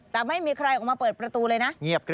แต่ไม่มีใครออกมาเปิดประตูเลยนะ